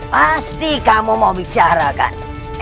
pasti kamu mau bicara kan